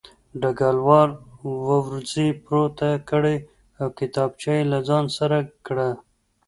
ډګروال وروځې پورته کړې او کتابچه یې له ځان سره کړه